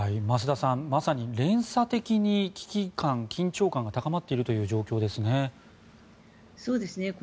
増田さんまさに連鎖的に危機感、緊張感が高まっているという状況ですね。